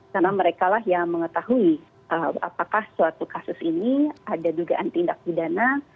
karena mereka lah yang mengetahui apakah suatu kasus ini ada dugaan tindak pidana